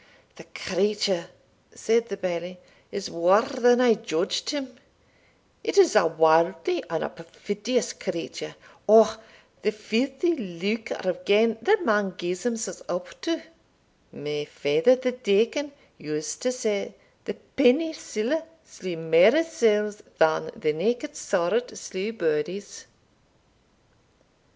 "The creature," said the Bailie, "is waur than I judged him it is a warldly and a perfidious creature. O the filthy lucre of gain that men gies themsells up to! My father the deacon used to say, the penny siller slew mair souls than the naked sword slew bodies."